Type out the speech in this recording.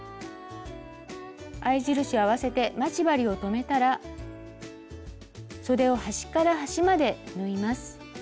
合い印を合わせて待ち針を留めたらそでを端から端まで縫います。